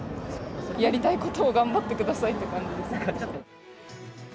やりたいことを頑張ってくださいって感じですね。